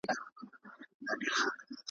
بلا ترې زیږي بلا پر اوري ,